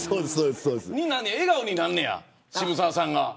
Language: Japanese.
笑顔になんねや、渋沢さんが。